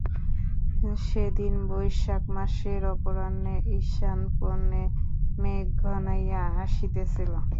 সেদিন বৈশাখ মাসের অপরাহ্নে ঈশান কোণে মেঘ ঘনাইয়া আসিতেছিল।